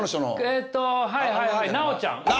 えっとはいはいはい奈緒ちゃん？ああ！